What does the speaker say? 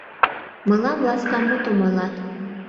Мылам ласка мутым ойлат.